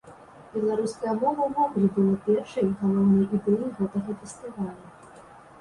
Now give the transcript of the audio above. Беларуская мова ўвогуле была першай і галоўнай ідэяй гэтага фестывалю.